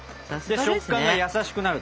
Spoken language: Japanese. で食感が優しくなると。